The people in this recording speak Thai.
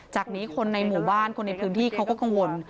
จากนี้คนในหมู่บ้านคนในพื้นที่เขาก็กังวล